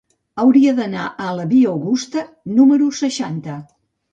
Hauria d'anar a la via Augusta número seixanta.